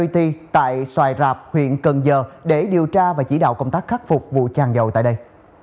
đi tại xoài rạp huyện cần giờ để điều tra và chỉ đạo công tác khắc phục vụ chàng dầu tại đây